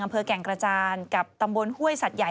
แก่งกระจานกับตำบลห้วยสัตว์ใหญ่